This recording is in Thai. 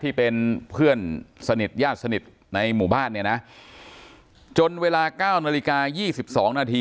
ที่เป็นเพื่อนสนิทญาติสนิทในหมู่บ้านเนี่ยนะจนเวลา๙นาฬิกา๒๒นาที